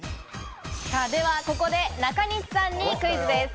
ではここで、中西さんにクイズです。